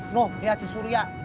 nuh lihat si surya